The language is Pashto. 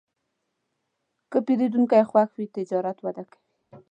که پیرودونکی خوښ وي، تجارت وده کوي.